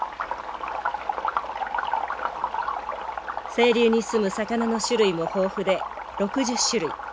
清流にすむ魚の種類も豊富で６０種類。